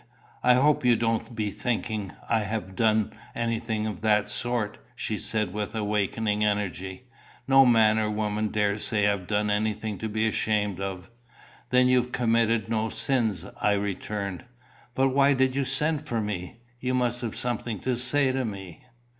"I hope you don't be thinking I ha' done anything of that sort," she said with wakening energy. "No man or woman dare say I've done anything to be ashamed of." "Then you've committed no sins?" I returned. "But why did you send for me? You must have something to say to me."